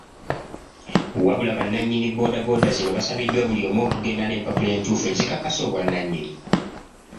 Wabula bannannyini boodabooda zino basabiddwa buli omu okugenda n’empapula entuufu ezikakasa obwannannyini.